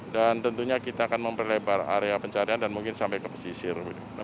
dan tentunya kita akan memperlebar area pencarian dan mungkin sampai ke pesisir